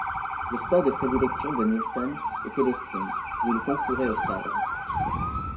Le sport de prédilection de Nielsen était l'escrime, où il concourait au sabre.